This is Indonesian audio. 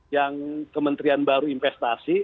yang kementrian baru investasi